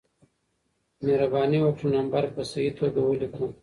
مهربانې وکړه نمبر په صحیح توګه ولېکه